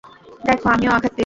দেখো, আমিও আঘাত পেয়েছি।